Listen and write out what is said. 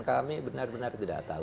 kami benar benar tidak tahu